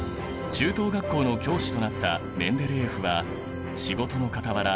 中等学校の教師となったメンデレーエフは仕事のかたわら